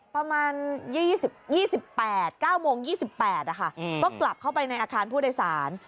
ประมาณ๒๘๙โมง๒๘ก็กลับเข้าไปในอาคารผู้โดยสาร